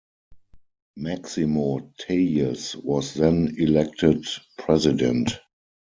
Maximo Tajes was then elected President.